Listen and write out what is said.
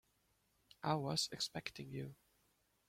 I was expecting you.